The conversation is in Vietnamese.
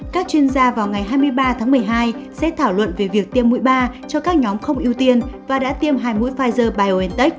các chuyên gia vào ngày hai mươi ba tháng một mươi hai sẽ thảo luận về việc tiêm mũi ba cho các nhóm không ưu tiên và đã tiêm hai mũi pfizer biontech